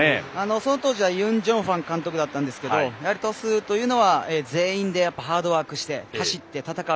その当時はユン・ジョンファン監督だったんですけど鳥栖というのは全員でハードワークして走って戦う。